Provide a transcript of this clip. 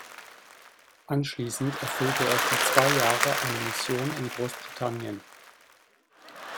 Anschließend erfüllte er für zwei Jahre eine Mission in Großbritannien.